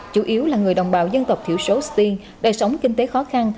chủ yếu là người đồng bào dân tộc thiểu số stiên đời sống kinh tế khó khăn